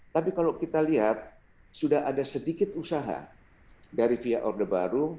tapi kalau kita lihat sudah ada sedikit usaha dari via orde baru